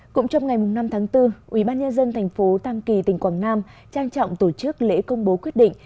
cũng trong ngày năm tháng bốn ubnd tp tam kỳ tỉnh quảng nam trang trọng tổ chức lễ công bố quyết định